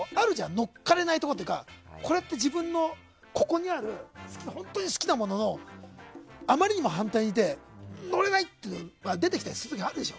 乗っかれるものというか自分のここにある本当に好きなもののあまりにも反対にいて乗れないっていう時が出てきたりするでしょ。